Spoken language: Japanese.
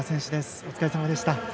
お疲れさまでした。